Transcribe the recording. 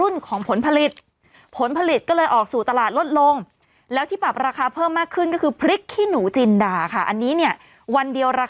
มองตากูนี่ทำไมไม่มี